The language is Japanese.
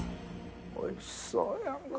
おいしそうやんか。